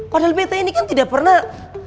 padahal pt ini kan tidak pernah